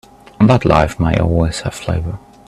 That life may always have flavor.